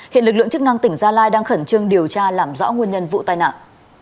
hiện lực lượng chức năng tỉnh gia lai đang khẩn trương điều tra làm rõ nguyên nhân vụ tai nạn